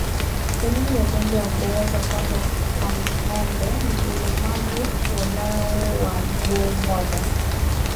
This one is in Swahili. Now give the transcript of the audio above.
Dalili ya ugonjwa wa kuoza kwato kwa ngombe ni ulemavu walau wa mguu mmoja